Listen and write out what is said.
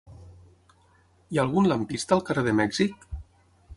Hi ha algun lampista al carrer de Mèxic?